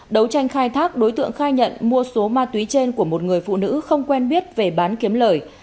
đấu tranh khai thác đối tượng khai nhận mua số ma túy trên của một người phụ nữ không quen biết về bán kiếm lời